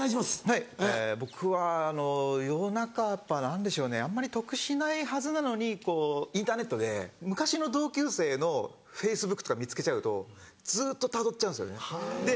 はい僕は夜中やっぱ何でしょうねあんまり得しないはずなのにインターネットで昔の同級生のＦａｃｅｂｏｏｋとか見つけちゃうとずっとたどっちゃうんですよね。